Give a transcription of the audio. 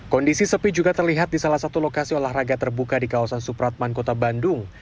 kondisi sepi juga terlihat di salah satu lokasi olahraga terbuka di kawasan supratman kota bandung